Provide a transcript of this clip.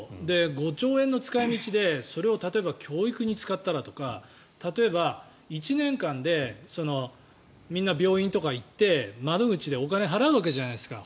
５兆円の使い道でそれを例えば教育に使ったらとか例えば、１年間でみんな病院とか行って窓口でお金を払うじゃないですか。